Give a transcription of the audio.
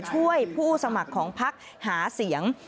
ช่วยผู้สมัครของพรักษณ์หาเสียง